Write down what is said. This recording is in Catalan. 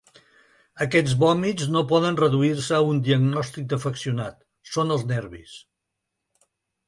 Aquells vòmits no poden reduir-se a un diagnòstic d’afeccionat: són els nervis.